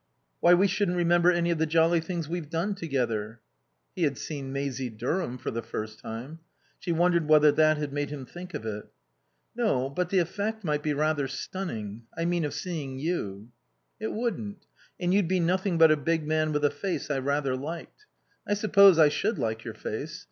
Why, we shouldn't remember any of the jolly things we've done: together." He had seen Maisie Durham for the first time. She wondered whether that had made him think of it. "No, but the effect might be rather stunning I mean of seeing you." "It wouldn't. And you'd be nothing but a big man with a face I rather liked. I suppose I should like your face.